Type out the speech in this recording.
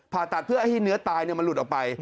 ผ่าตัดเพื่อให้เนื้อตายมันหลุดออกไป